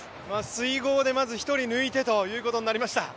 水濠でまず１人抜いてということになりました。